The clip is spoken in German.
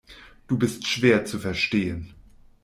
Du bist schwer zu verstehen.